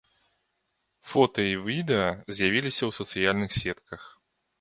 Фота і відэа з'явілася ў сацыяльных сетках.